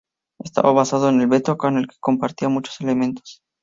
Estaba basado en el Beta, con el que compartía muchos elementos.